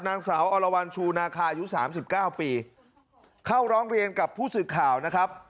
นางสาวอลวัลชูนาคายุ๓๙ปีเข้าร้องเรียนกับผู้สื่อข่าวนะครับ